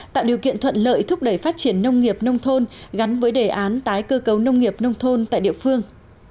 tạo điều kiện thuận lợi thúc đẩy phát triển nông nghiệp nông thôn gắn với đề án tái cơ cấu nông nghiệp nông thôn tại địa phương